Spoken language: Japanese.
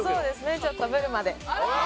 ちょっとブルマで。